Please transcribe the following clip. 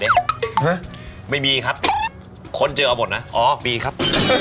ฮะไม่มีครับค้นเจอเอาหมดนะอ๋อมีครับ